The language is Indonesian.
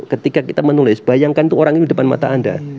ketika kita menulis bayangkan itu orang ini depan mata anda